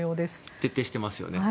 徹底していますよね。